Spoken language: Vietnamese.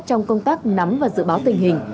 trong công tác nắm và dự báo tình hình